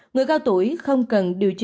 người cao tuổi không cần điều trị